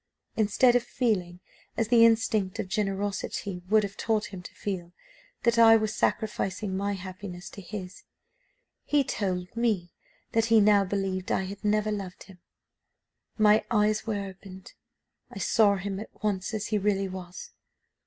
Instead of feeling, as the instinct of generosity would have taught him to feel, that I was sacrificing my happiness to his, he told me that he now believed I had never loved him. My eyes were opened I saw him at once as he really was.